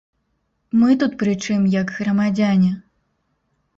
Мы тут прычым, як грамадзяне?